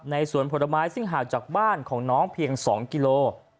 สวนผลไม้ซึ่งห่างจากบ้านของน้องเพียง๒กิโล